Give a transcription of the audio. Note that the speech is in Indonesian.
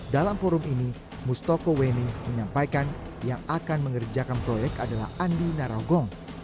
dalam forum ini mustoko weni menyampaikan yang akan mengerjakan proyek adalah andi narogong